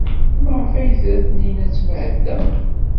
Maɣef ay tra Taninna ad tmahel da?